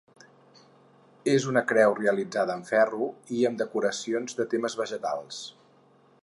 És una creu realitzada amb ferro i amb decoracions de temes vegetals.